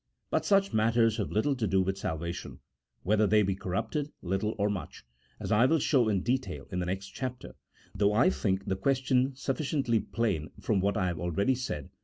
But such matters have little to do with salvation, whether they be corrupted little or much, as I will show in detail in the next chapter, though I think the question sufficiently plain from what I have said already, .